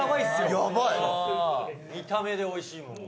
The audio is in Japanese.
横尾：見た目でおいしいもん。